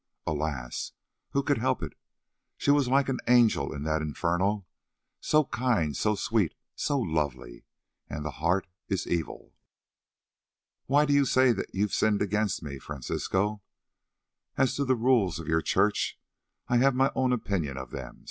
Alas! who could help it? She was like an angel in that Inferno, so kind, so sweet, so lovely, and the heart is evil." "Why do you say that you sinned against me, Francisco? As to the rules of your Church, I have my own opinion of them.